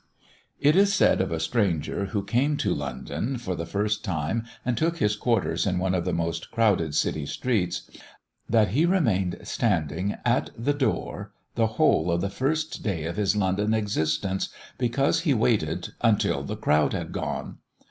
It is said of a stranger, who came to London for the first time and took his quarters in one of the most crowded city streets, that he remained standing at the door the whole of the first day of his London existence, because he waited "until the crowd had gone."